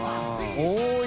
多い。